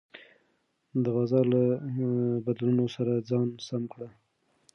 د بازار له بدلونونو سره ځان سم کړه.